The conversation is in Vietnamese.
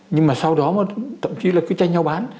nhưng mà sau đó mà tậm chí là cứ chanh nhau bán